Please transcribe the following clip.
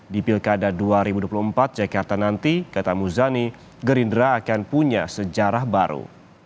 di pilkada dua ribu dua puluh empat jakarta nanti kata muzani gerindra akan punya sejarah baru